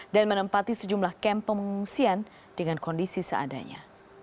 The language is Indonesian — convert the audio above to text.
dan menempati sejumlah kamp pengungsian dengan kondisi seadanya